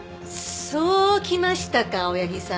そうきましたか青柳さん。